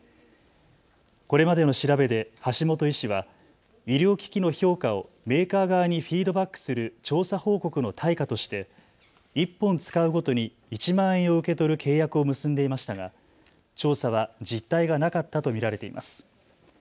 これまでの調べで橋本医師は医療機器の評価をメーカー側にフィードバックする調査報告の対価として１本使うごとに１万円を受け取る契約を結んでいましたが調査は実態がなかったと見られています。